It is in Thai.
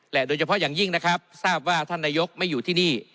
และโดยเฉพาะอย่างยิ่งนะครับท่านนายกรัฐมนตรีไม่อยู่ที่นี่